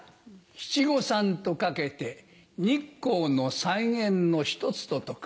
七五三と掛けて日光の三猿の１つと解く。